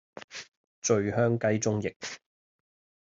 醉香雞中翼